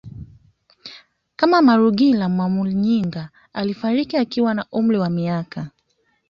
kama Malugila Mwamuyinga aliyefariki akiwa na umri wa miaka